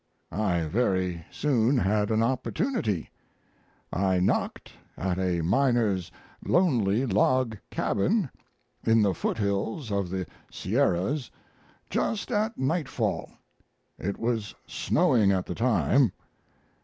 I very soon had an opportunity. I knocked at a miner's lonely log cabin in the foothills of the Sierras just at nightfall. It was snowing at the time.